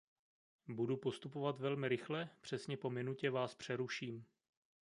Budu postupovat velmi rychle, přesně po minutě vás přeruším.